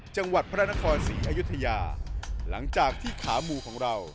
จังหวัดพระนครศรีอยุธยาหลังจากที่ขามูของเรา